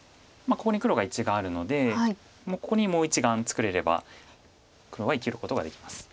ここに黒が１眼あるのでここにもう１眼作れれば黒は生きることができます。